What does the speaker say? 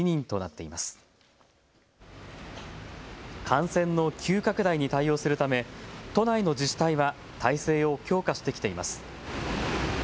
感染の急拡大に対応するため都内の自治体は体制を強化してきています。